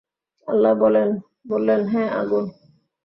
আল্লাহ বললেন হ্যাঁ, আগুন।